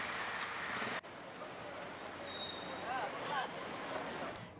kita pantau puncak arus balik mudik